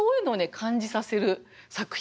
感じさせる作品。